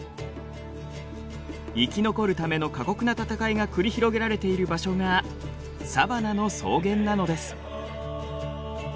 生き残るための過酷な戦いが繰り広げられている場所がサバナの草原なのです。